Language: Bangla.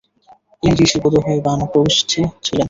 এই ঋষি বোধ হয় বানপ্রস্থী ছিলেন।